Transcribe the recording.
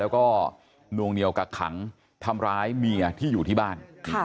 แล้วก็นวงเหนียวกักขังทำร้ายเมียที่อยู่ที่บ้าน